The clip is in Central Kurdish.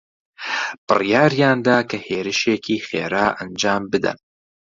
بڕیاریان دا کە هێرشێکی خێرا ئەنجام بدەن.